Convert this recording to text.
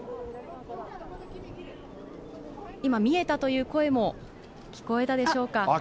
今、見えたという声も聞こえたでしょうか。